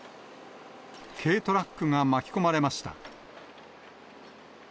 軽トラックが巻き込まれました。